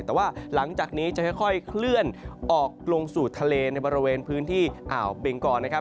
แต่ว่าหลังจากนี้จะค่อยเคลื่อนออกลงสู่ทะเลในบริเวณพื้นที่อ่าวเบงกรนะครับ